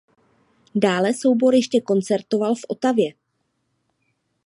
Dále soubor ještě koncertoval v Ottawě.